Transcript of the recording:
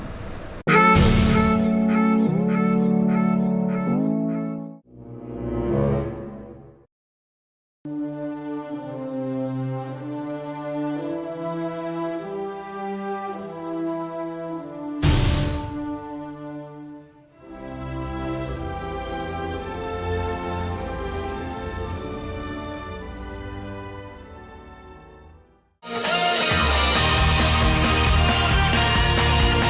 ผู้มีค่ะ